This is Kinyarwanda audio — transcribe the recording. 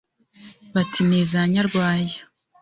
” Bati “ Ni iza Nyarwaya”